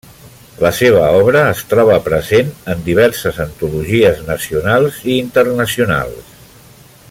La seva obra es troba present en diverses antologies nacionals i internacionals.